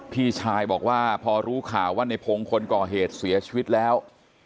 พี่ชายบอกว่าพอรู้ข่าวว่าในพงศ์คนก่อเหตุเสียชีวิตแล้ว